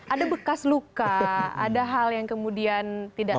ada bekas luka ada hal yang kemudian tidak